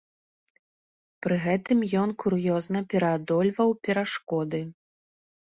Пры гэтым ён кур'ёзна пераадольваў перашкоды.